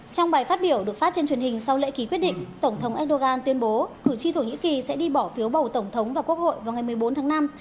trong bài phát biểu được phát trên truyền hình sau lễ ký quyết định tổng thống erdogan tuyên bố cử tri thổ nhĩ kỳ sẽ đi bỏ phiếu bầu tổng thống và quốc hội vào ngày một mươi bốn tháng năm